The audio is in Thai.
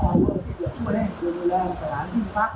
จะช่วยให้ตัวเนื้อแรงสถานที่ฟักอาหาร